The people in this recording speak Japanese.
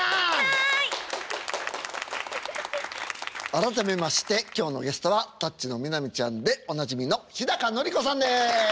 改めまして今日のゲストは「タッチ」の南ちゃんでおなじみの日のり子さんです。